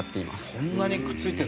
こんなにくっついてるの？